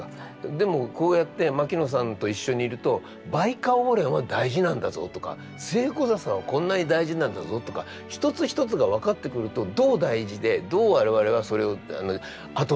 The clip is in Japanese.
でもこうやって牧野さんと一緒にいるとバイカオウレンは大事なんだぞとかスエコザサはこんなに大事なんだぞとか一つ一つが分かってくるとどう大事でどう我々はそれをあとの人たちにつなぐべきか。